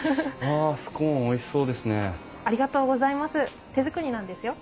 わあスコーンおいしそうですね。